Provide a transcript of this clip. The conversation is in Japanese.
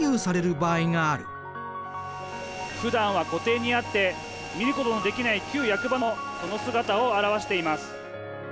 「ふだんは湖底にあって見ることのできない旧役場もその姿を現しています」。